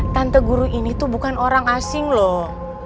tante guru ini tuh bukan orang asing loh